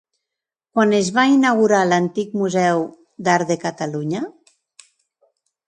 Quan es va inaugurar l'antic Museu d'Art de Catalunya?